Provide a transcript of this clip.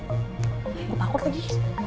gak bakal pergi